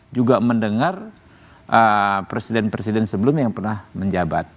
juga mendengar presiden presiden sebelumnya yang pernah menjabat